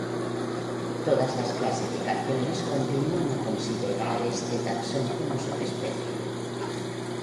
Todas las clasificaciones continúan a considerar este taxón como subespecie.